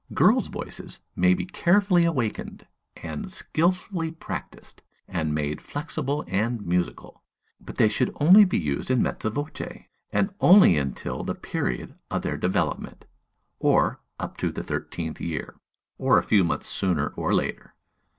Girls' voices may be carefully awakened, and skilfully practised, and made flexible and musical; but they should be used only in mezzo voce, and only until the period of their development, or up to the thirteenth year, or a few months sooner or later.